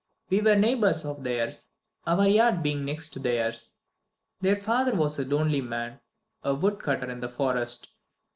We were neighbors of theirs, our yard being next to theirs. Their father was a lonely man; a wood cutter in the forest.